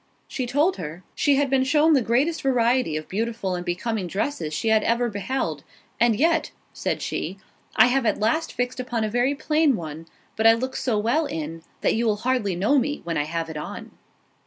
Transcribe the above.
She told her, she had been shewn the greatest variety of beautiful and becoming dresses she had ever beheld; "and yet," said she, "I have at last fixed upon a very plain one; but one I look so well in, that you will hardly know me, when I have it on."